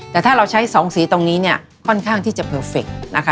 แต่ถ้าเราใช้๒สีตรงนี้ค่อนข้างที่จะเพอร์เฟค